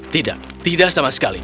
tidak tidak sama sekali